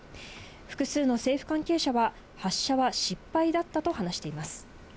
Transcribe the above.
複数の政府関係者は発射は失敗だったと話しています。